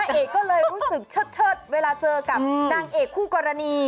เอกก็เลยรู้สึกเชิดเวลาเจอกับนางเอกคู่กรณี